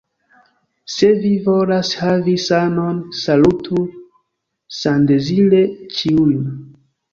Se vi volas havi sanon, salutu sandezire ĉiujn.